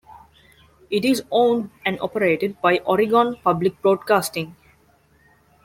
It is owned and operated by Oregon Public Broadcasting.